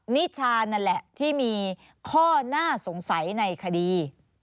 นิชานั่นแหละที่มีข้อน่าสงสัยในคดี